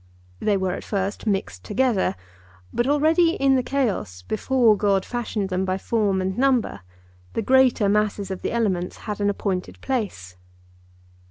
They were at first mixed together; but already in the chaos, before God fashioned them by form and number, the greater masses of the elements had an appointed place.